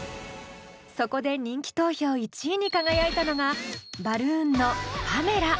そこで人気投票１位に輝いたのがバルーンの「パメラ」。